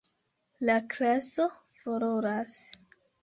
La klaso furoras.